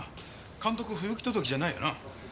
監督不行き届きじゃないよな？